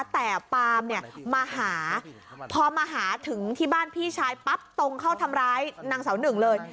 แต่ปามเนี่ยมาหาพอมาหาถึงที่บ้านพี่ชายปั๊บตรงเข้าทำร้ายนางเสาหนึ่งเลย